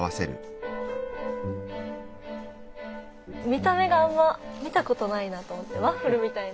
見た目があんま見たことないなと思ってワッフルみたいな。